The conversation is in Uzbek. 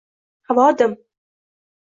Havo dim.